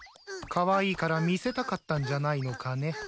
カワイイから見せたかったんじゃないのかね。